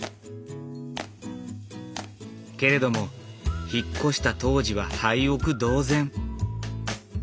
けれども引っ越した当時は廃屋同然。